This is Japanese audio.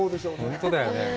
本当だよね。